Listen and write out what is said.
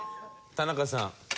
田中さん。